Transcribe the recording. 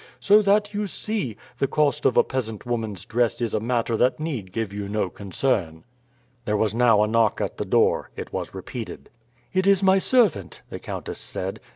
So that, you see, the cost of a peasant woman's dress is a matter that need give you no concern." There was now a knock at the door. It was repeated. "It is my servant," the countess said.